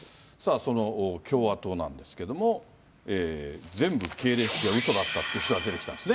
その共和党なんですけれども、全部経歴がうそだったって人が出てきたんですね。